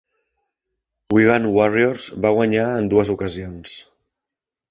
"Wigan Warriors" van guanyar en dues ocasions.